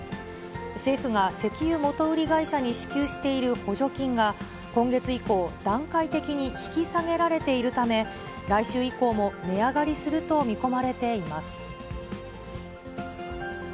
政府が石油元売り会社に支給している補助金が、今月以降、段階的に引き下げられているため、来週以降も値上がりすると見込まれています。